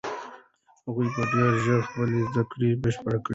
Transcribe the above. هغوی به ډېر ژر خپلې زده کړې بشپړې کړي.